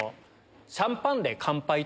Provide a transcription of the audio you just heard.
シャンパンで乾杯と。